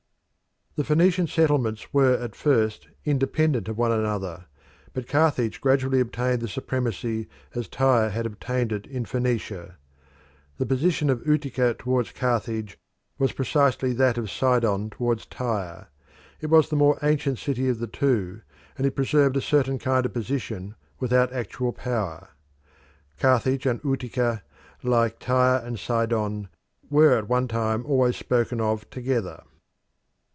The Phoenician settlements were at first independent of one another, but Carthage gradually obtained the supremacy as Tyre had obtained it in Phoenicia. The position of Utica towards Carthage was precisely that of Sidon towards Tyre. It was the more ancient city of the two, and it preserved a certain kind of position without actual power. Carthage and Utica, like Tyre and Sidon, were at one time always spoken of together.